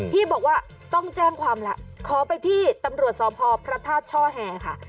ที่บอกว่าต้องแจ้งความละขอไปที่ตำรวจสพพระธาตุช่อแห่ค่ะ